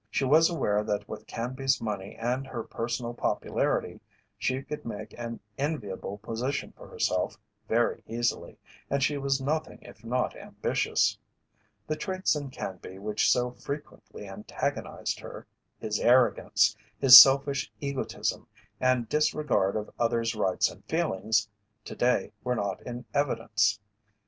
She was aware that with Canby's money and her personal popularity she could make an enviable position for herself very easily, and she was nothing if not ambitious. The traits in Canby which so frequently antagonized her, his arrogance, his selfish egotism and disregard of others' rights and feelings, to day were not in evidence.